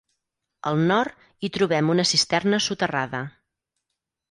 Al nord, hi trobem una cisterna soterrada.